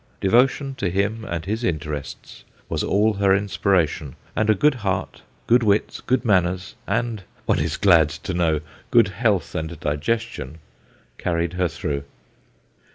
Devotion to him and his interests was all her inspiration, and a good heart, good wits, good manners, and one is glad to know good health and digestion, carried her through.